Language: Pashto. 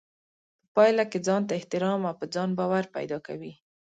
په پايله کې ځانته احترام او په ځان باور پيدا کوي.